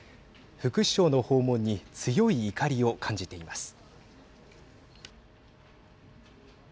副首相の訪問に強い怒りを感じています。